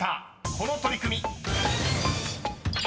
［この取り組み］